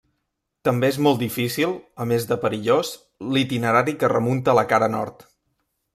També és molt difícil –a més de perillós– l'itinerari que remunta la cara nord.